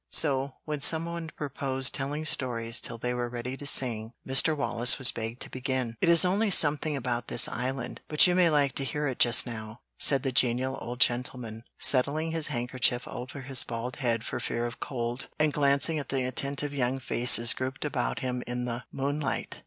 So, when some one proposed telling stories till they were ready to sing, Mr. Wallace was begged to begin. "It is only something about this island, but you may like to hear it just now," said the genial old gentleman, settling his handkerchief over his bald head for fear of cold, and glancing at the attentive young faces grouped about him in the moonlight.